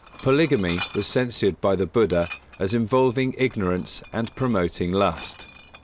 Polygamy was censured by the Buddha as involving ignorance and promoting lust.